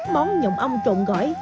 món nhồng ong trộn gỏi